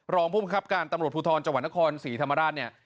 รองผู้บังคับการตำรวจภูทรจังหวัดนครศรีธรรมราชเนี่ย